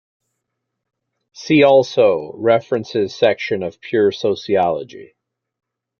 See also, references section of Pure Sociology.